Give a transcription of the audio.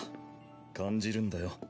感じるんだよ。